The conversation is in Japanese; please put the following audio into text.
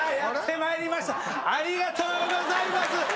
ありがとうございます。